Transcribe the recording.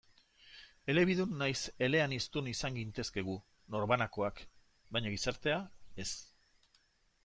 Elebidun nahiz eleaniztun izan gintezke gu, norbanakoak, baina gizartea, ez.